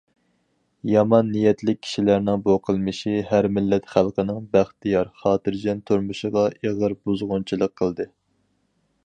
يامان نىيەتلىك كىشىلەرنىڭ بۇ قىلمىشى ھەر مىللەت خەلقىنىڭ بەختىيار، خاتىرجەم تۇرمۇشىغا ئېغىر بۇزغۇنچىلىق قىلدى.